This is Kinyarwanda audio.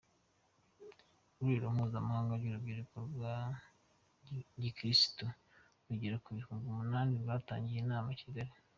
Ihuriro mpuzamahanga ry’urubyiruko rwa gikirisitu rugera ku bihumbi umunani ryatangiye inama ikigali